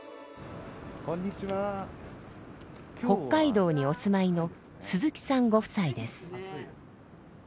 北海道にお住まいの鈴木さんご夫妻です。